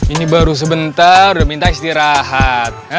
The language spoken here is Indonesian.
ini baru sebentar udah minta istirahat